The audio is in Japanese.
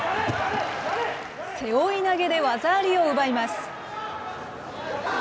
背負い投げで技ありを奪います。